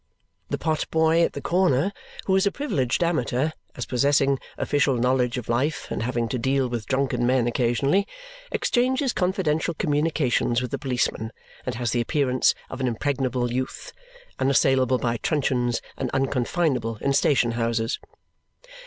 The potboy at the corner, who is a privileged amateur, as possessing official knowledge of life and having to deal with drunken men occasionally, exchanges confidential communications with the policeman and has the appearance of an impregnable youth, unassailable by truncheons and unconfinable in station houses.